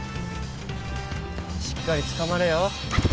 しっかりつかまれよ。